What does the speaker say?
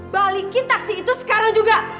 balikin taksi itu sekarang juga